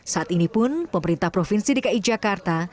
saat ini pun pemerintah provinsi dki jakarta